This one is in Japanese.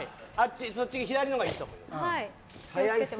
左のほうがいいと思います。